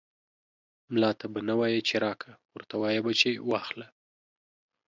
ملا ته به نه وايي چې راکه ، ورته وايې به چې واخله.